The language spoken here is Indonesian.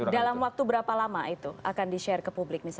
dalam waktu berapa lama itu akan di share ke publik